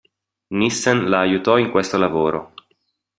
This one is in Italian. Nissen la aiutò in questo lavoro.